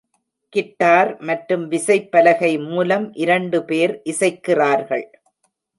Guitar மற்றும் விசைப்பலகை மூலம் இரண்டு பேர் இசைக்கிறார்கள்.